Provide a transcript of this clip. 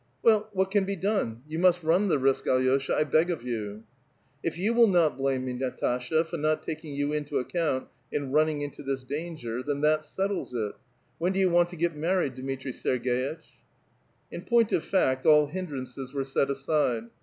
^* Well, what can be done? you must run the risk, A16sha, I beg of you." '* If you will not blame me, Natasha, for not taking 3*ou into account in running into this danger, then that settles it. When do yon want to get married, Dmitri Serg^itch? " In point of fact all hindrances were set aside.